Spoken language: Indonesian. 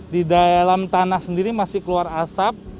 di dalam tanah sendiri masih keluar asap